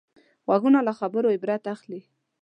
غوږونه له خبرو عبرت اخلي